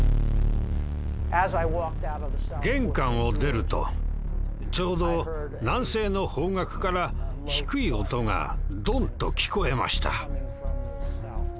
玄関を出るとちょうど南西の方角から低い音がドンと聞こえました。